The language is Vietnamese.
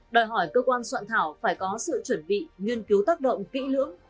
đòi hỏi cơ quan soạn thảo phải có sự chuẩn bị nghiên cứu tác động kỹ lưỡng